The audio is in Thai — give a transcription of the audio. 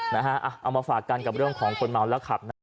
เอามาฝากกันกับเรื่องของคนมัวและขับ